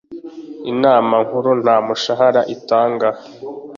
Inama nkuru nta mushahara itanga